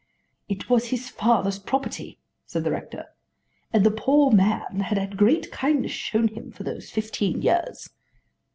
"It was his father's property," said the rector, "and the poor man had had great kindness shown him for those fifteen years."